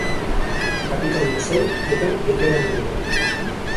Kapitaina zen eta beteranoena.